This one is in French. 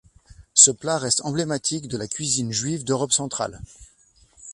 Ce plat reste emblématique de la cuisine juive d'Europe centrale.